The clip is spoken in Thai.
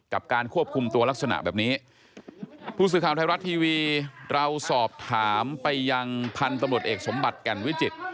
การควบคุมตัวลักษณะแบบนี้ผู้สื่อข่าวไทยรัฐทีวีเราสอบถามไปยังพันธุ์ตำรวจเอกสมบัติแก่นวิจิตร